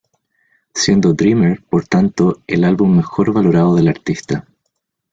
Siendo Dreamer, por tanto, el álbum mejor valorado de la artista.